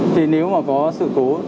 thì nếu mà có sự cố